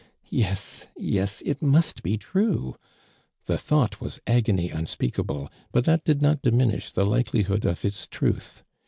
Yes, yes, it must be true. The thought was agony unspeak able, but that did not diminish the likelihood of its truth.